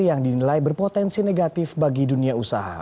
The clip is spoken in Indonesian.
yang dinilai berpotensi negatif bagi dunia usaha